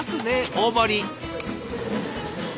大盛り。